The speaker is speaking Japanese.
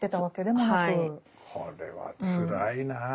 これはつらいなぁ。